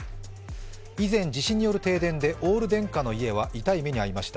以前、地震による停電でオール電化の家で痛い目に遭いました。